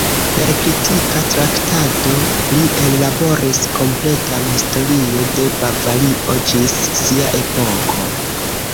Per kritika traktado, li ellaboris kompletan historio de Bavario ĝis sia epoko.